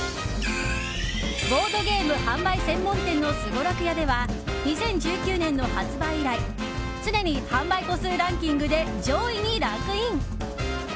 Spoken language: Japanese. ボードーゲーム販売専門店のすごろくやでは２０１９年の発売以来常に、販売個数ランキングで上位にランクイン。